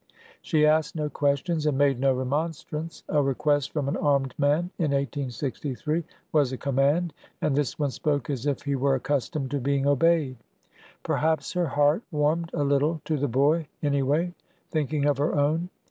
She asked no questions and made no remonstrance. A request from an armed man in 1863 was a command, and this one spoke as if he were accustomed to being obeyed. AN APT SCHOLAR 267 Perhaps her heart warmed a little to the boy, anyway, thinking of her own.